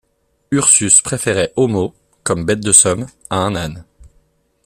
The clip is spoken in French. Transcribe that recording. Ursus préférait Homo, comme bête de somme, à un âne.